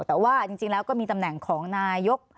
แต่ว่าจริงแล้วก็มีตำแหน่งของนายก